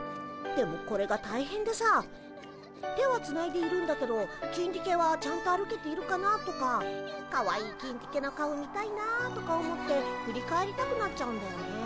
でもこれが大変でさ手はつないでいるんだけどキンディケはちゃんと歩けているかな？とかかわいいキンディケの顔見たいなとか思って振り返りたくなっちゃうんだよね。